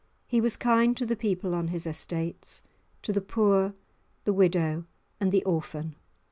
He was kind to the people on his estates, to the poor, the widow and the orphan.